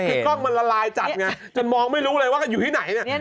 คือกล้องมันละลายจัดไงจนมองไม่รู้เลยว่ากันอยู่ที่ไหน